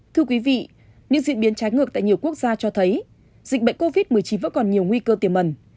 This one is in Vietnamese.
thưa quý vị những diễn biến trái ngược tại nhiều quốc gia cho thấy dịch bệnh covid một mươi chín vẫn còn nhiều nguy cơ tiềm mẩn